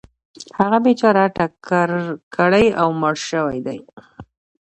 هغه بیچاره ټکر کړی او مړ شوی دی .